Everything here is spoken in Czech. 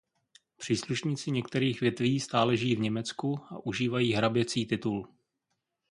Příslušníci některých větví stále žijí v Německu a užívají hraběcí titul.